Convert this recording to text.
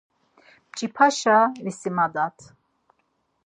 Mç̌ipaşa visimadat.